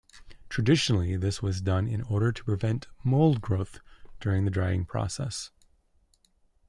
Traditionally this was done in order to prevent mold growth during the drying process.